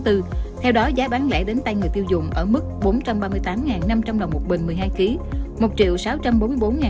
theo đó giá bán lẻ đến tay người tiêu dùng ở mức bốn trăm ba mươi tám năm trăm linh đồng một bình một mươi hai kg